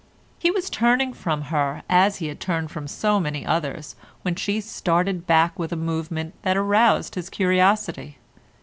He was turning from her, as he had turned from so many others, when she started back with a movement that aroused his curiosity.